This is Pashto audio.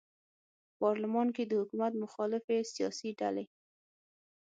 په پارلمان کې د حکومت مخالفې سیاسي ډلې